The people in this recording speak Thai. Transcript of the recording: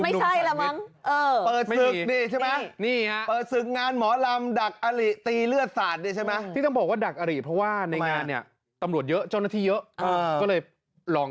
รองานเลือกก่อน